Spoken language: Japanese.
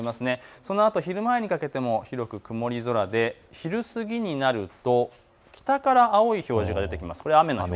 そのあと昼前にかけても広く曇り空で昼過ぎになると北から青い表示が出てきます。